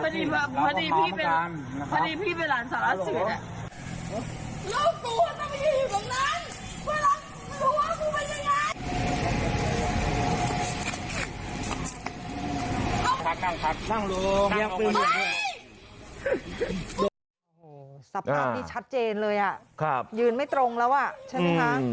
โธ่ศัพท์นี้ชัดเจนเลยยืนไม่ตรงแล้วใช่ไหมคะ